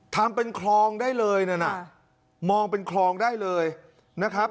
ทำเป็นคลองได้เลยนั่นน่ะมองเป็นคลองได้เลยนะครับ